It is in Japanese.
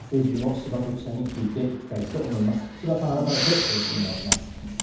柴戸さん、改めてよろしくお願いします。